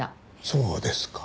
そうですか。